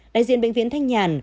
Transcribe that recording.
đại diện bệnh viện thanh nhàn